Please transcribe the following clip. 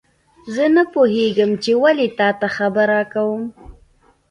زه نه پوهیږم چې ولې تا ته دا خبره کوم